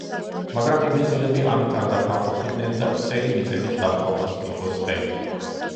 მაგრამ ინგლისელები ამით არ დაკმაყოფილდნენ და ვრცელი მიწების დაპყრობას მიჰყვეს ხელი.